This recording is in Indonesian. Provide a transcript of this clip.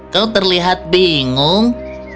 kau terlihat bingung